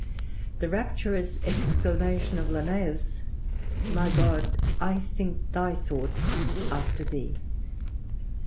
The rapturous exclamation of Linnæus, "My God, I think thy thoughts after thee!"